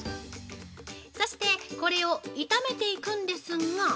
◆そして、これを炒めていくんですが。